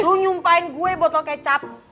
lo nyumpain gue botol kecap